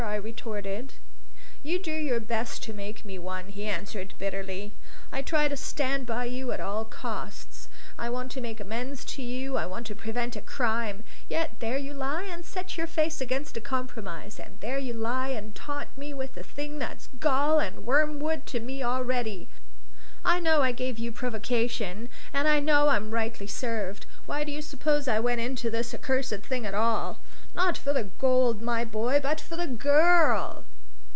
I retorted. "You do your best to make me one," he answered bitterly. "I try to stand by you at all costs. I want to make amends to you, I want to prevent a crime. Yet there you lie and set your face against a compromise; and there you lie and taunt me with the thing that's gall and wormwood to me already. I know I gave you provocation. And I know I'm rightly served. Why do you suppose I went into this accursed thing at all? Not for the gold, my boy, but for the girl!